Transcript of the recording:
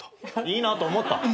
いいなと思った？